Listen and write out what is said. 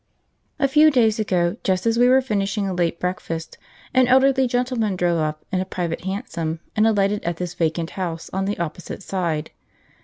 A few days ago, just as we were finishing a late breakfast, an elderly gentleman drove up in a private hansom, and alighted at this vacant house on the opposite side.